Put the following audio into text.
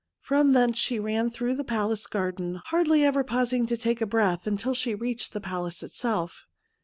From thence she ran through the palace garden, hardly ever pausing to take breath, until she reached the palace itself.